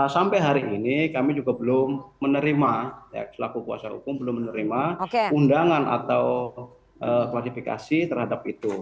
sampai hari ini kami juga belum menerima selaku kuasa hukum belum menerima undangan atau klasifikasi terhadap itu